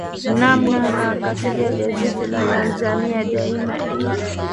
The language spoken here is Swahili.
namna naa katika gazeti la tanzania daima ee